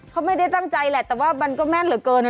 เขาไม่ได้ตั้งใจแหละแต่ว่ามันก็แม่นเหลือเกิน